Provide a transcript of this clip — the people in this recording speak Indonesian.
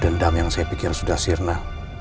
dendam yang saya pikir sudah sirna